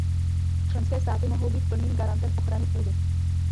Členské státy mohou být plným garantem ochrany půdy.